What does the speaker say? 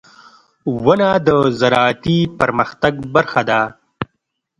• ونه د زراعتي پرمختګ برخه ده.